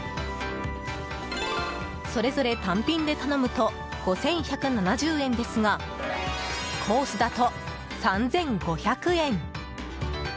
それぞれ単品で頼むと５１７０円ですがコースだと３５００円！